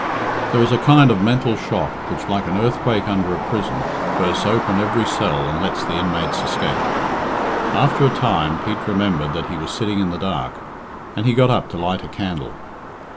IX. There is a kind of mental shock which, like an earthquake under a prison, bursts open every cell and lets the inmates escape. After a time, Pete remembered that he was sitting in the dark, and he got up to light a candle.